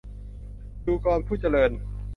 ดูกร ผู้เจริญ